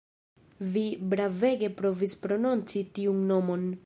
Vi bravege provis prononci tiun nomon